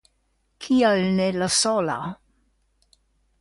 Kial ne la sola?